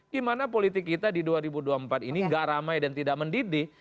gimana politik kita di dua ribu dua puluh empat ini gak ramai dan tidak mendidih